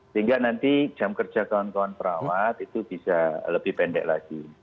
sehingga nanti jam kerja kawan kawan perawat itu bisa lebih pendek lagi